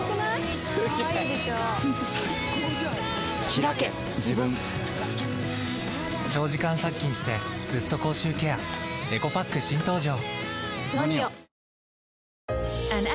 ひらけ自分長時間殺菌してずっと口臭ケアエコパック新登場！